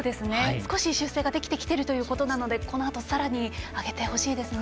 少し修正ができてきているということなのでこのあとさらに上げてほしいですね。